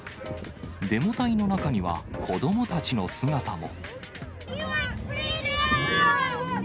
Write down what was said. デモ隊の中には、子どもたちの姿も。